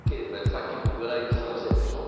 さっき僕がＬＩＮＥ交換したやつでしょ。